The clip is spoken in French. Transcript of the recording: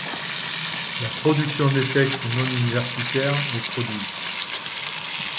La production des textes ' non-universitaires est prodigue.